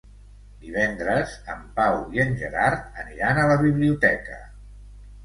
Divendres en Pau i en Gerard aniran a la biblioteca.